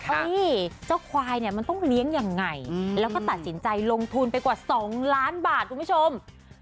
เจ้าควายเนี่ยมันต้องเลี้ยงยังไงแล้วก็ตัดสินใจลงทุนไปกว่า๒ล้านบาทคุณผู้ชม